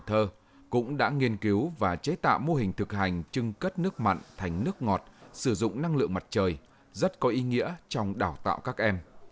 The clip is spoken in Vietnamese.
thầy cũng đã nghiên cứu và chế tạo mô hình thực hành trưng cất nước mặn thành nước ngọt sử dụng năng lượng mặt trời rất có ý nghĩa trong đào tạo các em